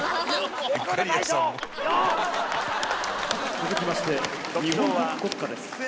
続きまして日本国国歌です。